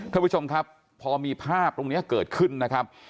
ท่านผู้ชมครับพอมีภาพตรงนี้เกิดขึ้นนะครับ